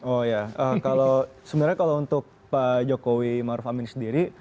oh ya kalau sebenarnya kalau untuk pak jokowi maruf amin sendiri